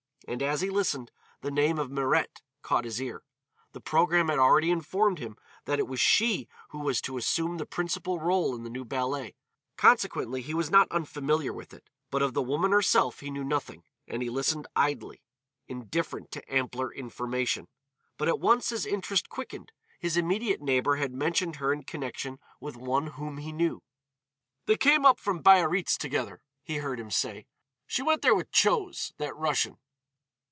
And as he listened, the name of Mirette caught his ear. The programme had already informed him that it was she who was to assume the principal rôle in the new ballet, consequently he was not unfamiliar with it, but of the woman herself he knew nothing, and he listened idly, indifferent to ampler information. But at once his interest quickened; his immediate neighbor had mentioned her in connection with one whom he knew. "They came up from Biarritz together," he heard him say. "She went there with Chose, that Russian."